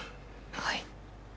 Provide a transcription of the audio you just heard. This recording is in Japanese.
はい。